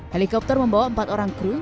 helikopter membawa empat orang kru